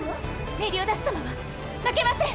メリオダス様は負けません！